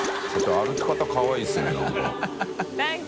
卍歩き方かわいいですね何か。